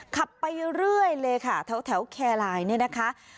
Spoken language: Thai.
ขับไปเรื่อยเลยค่ะแถวแถวแครรายเนี่ยนะคะ